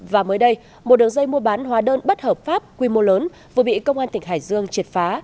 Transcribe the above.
và mới đây một đường dây mua bán hóa đơn bất hợp pháp quy mô lớn vừa bị công an tỉnh hải dương triệt phá